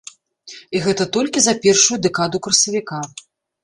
І гэта толькі за першую дэкаду красавіка.